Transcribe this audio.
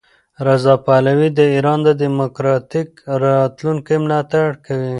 رضا پهلوي د ایران د دیموکراتیک راتلونکي ملاتړ کوي.